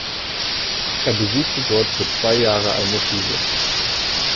Er besuchte dort für zwei Jahre eine Schule.